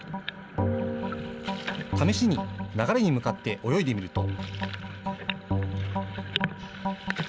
試しに流れに向かって泳いでみると。